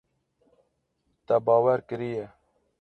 Te bawer kiriye.